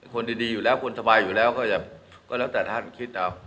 คนดีคนสบายอยู่แล้วก็จะล้อแต่ท่านคิดเอา